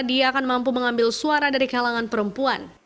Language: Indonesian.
dia akan mampu mengambil suara dari kalangan perempuan